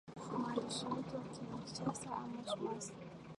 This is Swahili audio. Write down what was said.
mwandishi wetu wa kinshasa amos mwasi